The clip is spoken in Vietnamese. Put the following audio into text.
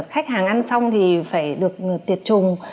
khách hàng ăn xong thì phải được tiệt trùng